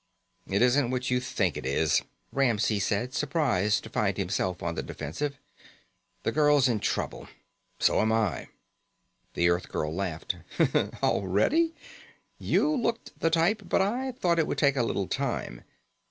"It isn't what you think it is," Ramsey said, surprised to find himself on the defensive. "The girl's in trouble. So'm I." The Earthgirl laughed. "Already? You looked the type, but I thought it would take a little time."